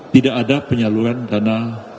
tidak ada penyaluran dana